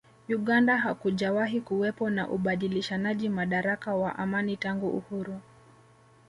Uganda hakujawahi kuwepo na ubadilishanaji madaraka wa amani tangu uhuru